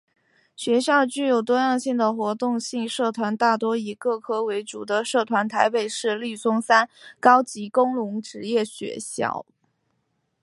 学校具有多样性的活动性社团大多以各科为主的社团台北市立松山高级工农职业学校